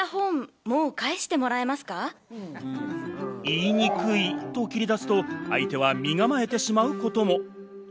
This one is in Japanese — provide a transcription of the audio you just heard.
言いにくいと切り出すと相手は身構えてしまうことも。